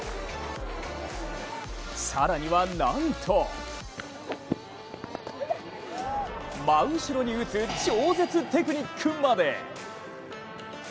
更には、なんと真後ろに打つ、超絶テクニックまで。